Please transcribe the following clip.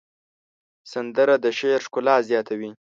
سندره د شعر ښکلا زیاتوي